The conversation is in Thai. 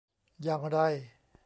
อย่างไร